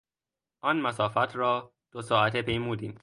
آن مسافت را دو ساعته پیمودیم.